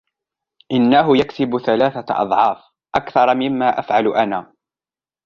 انه يكسب ثلاثة أضعاف أكثر مما افعل انا.